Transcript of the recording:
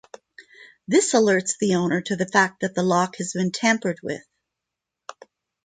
This alerts the owner to the fact that the lock has been tampered with.